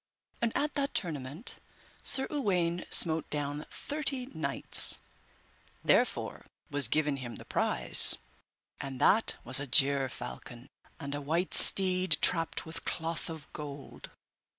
And at that tournament Sir Uwaine smote down thirty knights, therefore was given him the prize, and that was a gerfalcon, and a white steed trapped with cloth of gold.